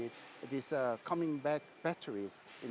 baterai yang akan kembali ke pejabat